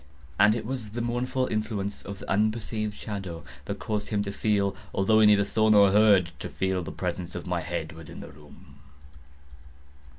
And it was the mournful influence of the unperceived shadow that caused him to feel—although he neither saw nor heard—to feel the presence of my head within the room.